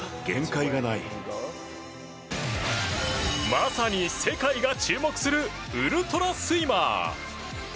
まさに世界が注目するウルトラスイマー。